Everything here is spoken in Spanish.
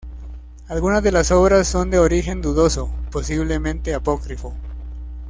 Algunas de las obras son de origen dudoso, posiblemente apócrifo.